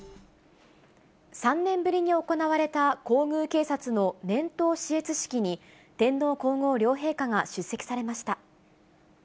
３年ぶりに行われた皇宮警察の年頭視閲式に、天皇皇后両陛下が出席されました。